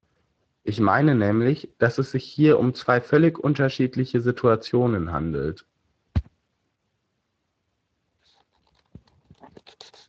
Ich meine nämlich, dass es sich hier um zwei völlig unterschiedliche Situationen handelt.